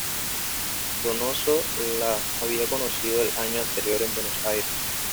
Donoso la había conocido el año anterior en Buenos Aires.